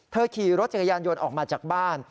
ขี่รถจักรยานยนต์ออกมาจากบ้าน